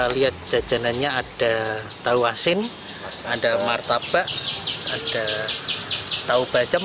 lihat jajanannya ada tahu asin ada martabak ada tahu bacem